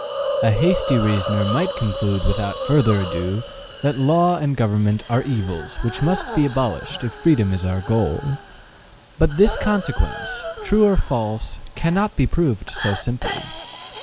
A hasty reasoner might conclude without further ado that Law and government are evils which must be abolished if freedom is our goal. But this consequence, true or false, cannot be proved so simply.